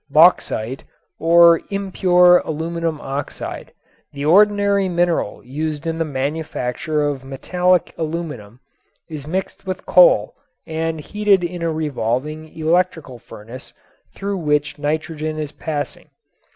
Bauxite, or impure aluminum oxide, the ordinary mineral used in the manufacture of metallic aluminum, is mixed with coal and heated in a revolving electrical furnace through which nitrogen is passing.